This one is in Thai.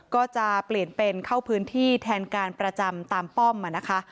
ก็จะเปลี่ยนเป็นเข้าพื้นที่แทนการประจำตามป้อมนะคะ